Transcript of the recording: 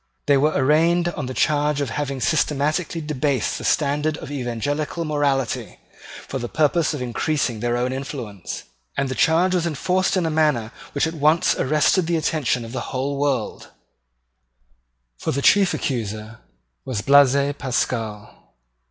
They were arraigned on the charge of having systematically debased the standard of evangelical morality, for the purpose of increasing their own influence; and the charge was enforced in a manner which at once arrested the attention of the whole world: for the chief accuser was Blaise Pascal.